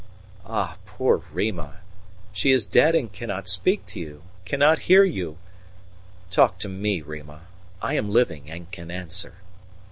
"Ah, poor Rima! she is dead and cannot speak to you cannot hear you! Talk to me, Rima; I am living and can answer."